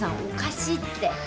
おかしいって。